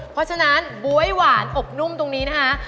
เพราะฉะนั้นบ๊วยหวานอบนุ่มตรงนี้นะคะ